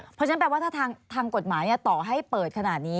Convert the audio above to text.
เพราะฉะนั้นแปลว่าถ้าทางกฎหมายต่อให้เปิดขนาดนี้